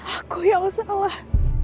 aku yang salah